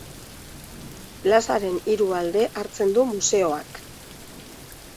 Plazaren hiru alde hartzen du museoak.